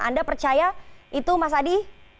anda percaya itu mas adi